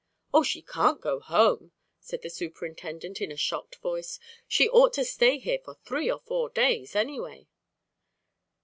"Oh, she can't go home," said the superintendent in a shocked voice. "She ought to stay here for three or four days anyway."